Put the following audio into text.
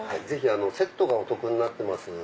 ぜひセットがお得になってます。